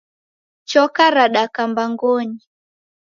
Choka radaka mbaghonyi